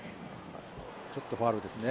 ちょっとファウルですね。